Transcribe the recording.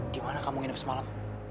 di mana kamu nginep semalam